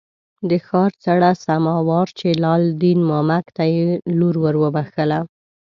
د ښار څړه سما وارچي لال دین مامک ته یې لور ور وبخښله.